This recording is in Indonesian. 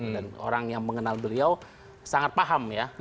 dan orang yang mengenal beliau sangat paham ya